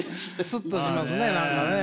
スッとしますね何かね。